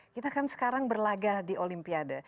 kita kan sekarang berlaga di olimpiade